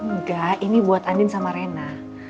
enggak ini buat andin sama rena